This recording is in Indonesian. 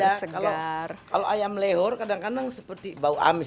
ya karena terbiasa saja kalau ayam lehor kadang kadang seperti bau amis